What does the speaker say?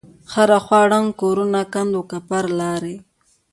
هره خوا ړنگ کورونه کند وکپرې لارې.